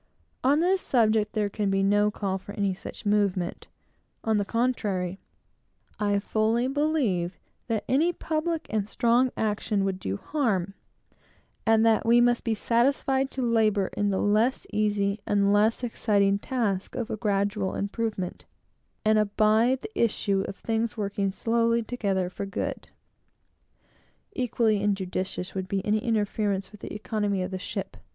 On this subject there can be no call for any such movement; on the contrary, I fully believe that any public and strong action would do harm, and that we must be satisfied to labor in the less easy and less exciting task of gradual improvement, and abide the issue of things working slowly together for good. Equally injudicious would be any interference with the economy of the ship.